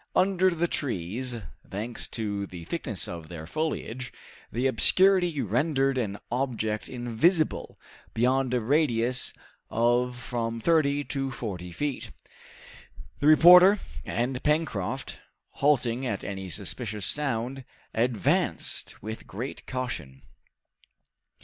Under the trees, thanks to the thickness of their foliage, the obscurity rendered any object invisible beyond a radius of from thirty to forty feet. The reporter and Pencroft, halting at any suspicious sound, advanced with great caution.